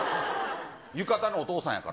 浴衣のお父さんやから。